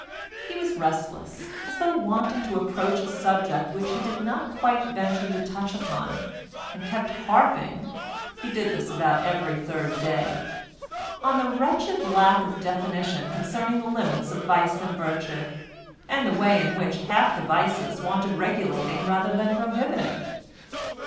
He was restless, as though wanting to approach a subject which he did not quite venture to touch upon, and kept harping (he did this about every third day) on the wretched lack of definition concerning the limits of vice and virtue, and the way in which half the vices wanted regulating rather than prohibiting.